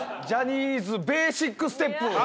ジャニーズベーシックステップ。